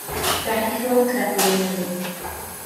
Fe aeth i ffwrdd gyda'r dyn newydd.